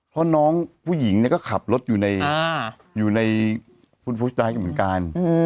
เพราะน้องผู้หญิงก็ขับรถอยู่ในฟุนฟุสไตล์กันเหมือนกัน